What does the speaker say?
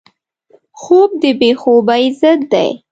خوب د بې خوبۍ ضد دی